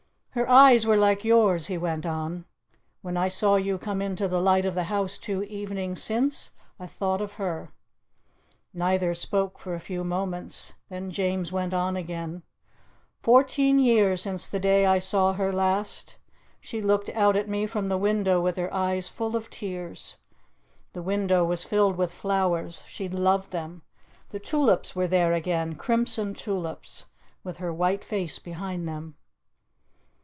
"Her eyes were like yours," he went on. "When I saw you come into the light of the house two evenings since, I thought of her." Neither spoke for a few moments; then James went on again: "Fourteen years since the day I saw her last! She looked out at me from the window with her eyes full of tears. The window was filled with flowers she loved them. The tulips were there again crimson tulips with her white face behind them."